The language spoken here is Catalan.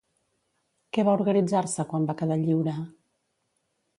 Què va organitzar-se quan va quedar lliure?